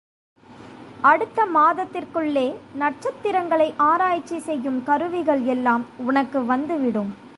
அடுத்த மாதத்திற்குள்ளே நட்சத்திரங்களை ஆராய்ச்சி செய்யும் கருவிகள் எல்லாம் உனக்கு வந்துவிடும்.